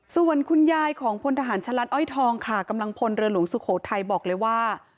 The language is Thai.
ส่วนคุณยายของพลทหารชะลัดอ้อยทองค่ะกำลังพลเรือหลวงสุโขทัยบอกเลยว่า